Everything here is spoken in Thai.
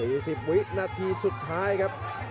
๔๐วินาทีสุดท้ายครับ